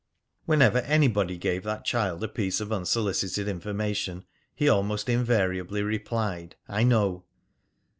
Whenever anybody gave that child a piece of unsolicited information, he almost invariably replied, "I know."